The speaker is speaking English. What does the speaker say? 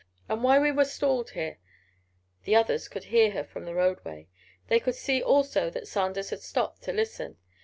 And why we were stalled here?" The others could hear her from the roadway. They could see, also, that Sanders had stopped to listen.